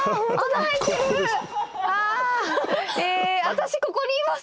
私ここにいます。